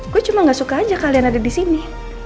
gue cuma gak suka aja kalian ada di sini